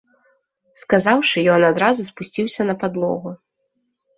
Сказаўшы, ён адразу спусціўся на падлогу.